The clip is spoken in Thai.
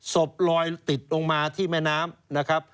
ศพลอยติดลงมาที่แม่น้ำ